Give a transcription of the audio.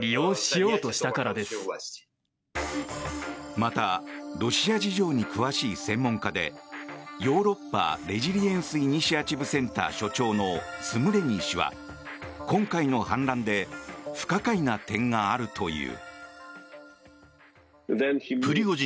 また、ロシア事情に詳しい専門家でヨーロッパ・レジリエンス・イニシアチブ・センター所長のスムレニー氏は、今回の反乱で不可解な点があるという。